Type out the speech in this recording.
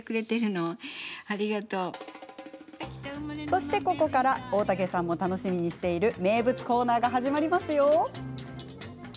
そして、ここから大竹さんも楽しみにしている名物コーナーが始まりますよ。